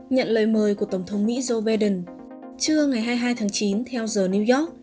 nhận lời mời của tổng thống mỹ joe biden trưa ngày hai mươi hai tháng chín theo giờ new york